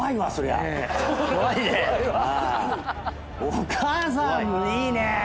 お母さんいいね。